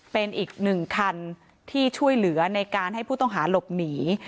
เป็นอีกหนึ่งคันที่ช่วยเหลือในการให้ผู้ต้องหาหลบหนี